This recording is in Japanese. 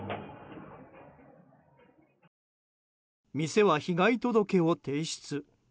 店は被害届を提出。